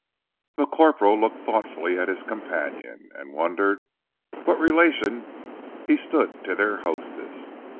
The corporal looked thoughtfully at his companion, and wondered what relation he stood to their hostess.